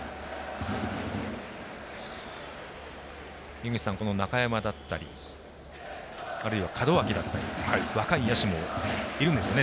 井口さん、この中山だったりあるいは門脇だったり若い野手もいるんですよね。